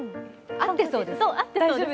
合ってそうです。